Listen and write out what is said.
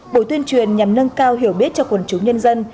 bộ tuyên truyền nhằm nâng cao hiểu biết cho quần chúng nhân dân